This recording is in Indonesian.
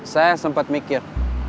saya sempat mikir